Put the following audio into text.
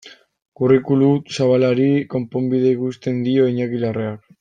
Curriculum zabalari konponbidea ikusten dio Iñaki Larreak.